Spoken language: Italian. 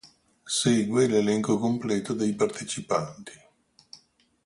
Segue l'elenco completo dei partecipanti.